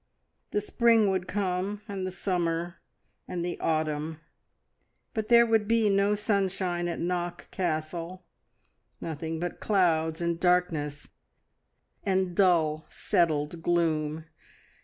The spring would come, and the summer, and the autumn, but there would be no sunshine at Knock Castle, nothing but clouds and darkness, and dull, settled gloom.